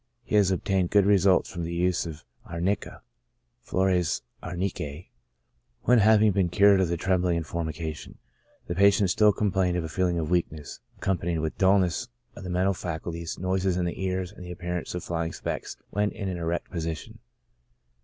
He has obtained good results from the use of Ar nica (Flores arnicae) when after having been cured of the trembling and formication, the patient still complained of a feeling of weakness, accompanied with dulness of the men tal faculties, noises in the ears, and the appearance of flying specks when in an erect position.